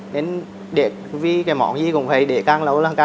nên vì cái món gì cũng vậy để càng lâu là càng dở